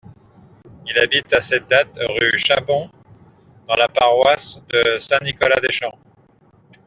Il habite à cette date rue Chapon, dans la paroisse de Saint-Nicolas-des-Champs.